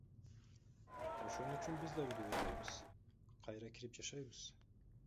Ошону үчүн биз да үйдү бербейбиз, кайра кирип жашайбыз.